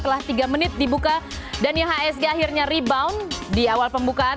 setelah tiga menit dibuka dan ihsg akhirnya rebound di awal pembukaan